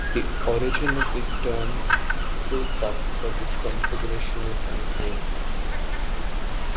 The origin of the term "bullpup" for this configuration is unclear.